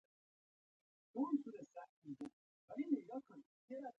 په افغانستان کې د ځمکنی شکل د اړتیاوو پوره کولو لپاره اقدامات کېږي.